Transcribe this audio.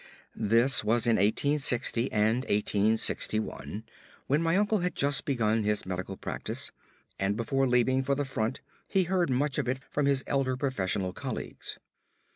This was in 1860 and 1861, when my uncle had just begun his medical practise; and before leaving for the front he heard much of it from his elder professional colleagues.